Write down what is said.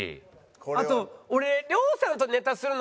あと俺。